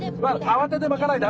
慌てて巻かないで。